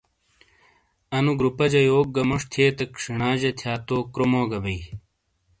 اَنو گروپہ جہ یوک گہ موݜ تھئیتک ݜینا جہ تھیا تو کرومو گہ بئی ۔